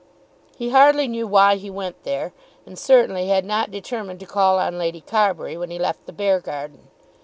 He hardly knew why he went there, and certainly had not determined to call on Lady Carbury when he left the Beargarden.